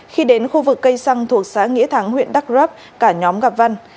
khi đến khu vực cây xăng thuộc xã nghĩa thắng huyện đắk rấp cả nhóm gặp văn